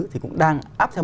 thì cũng đang áp theo